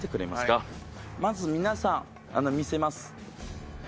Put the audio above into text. まず皆さん見せます。